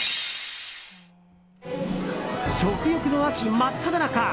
食欲の秋、真っただ中！